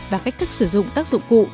và cách thức sử dụng các dụng cụ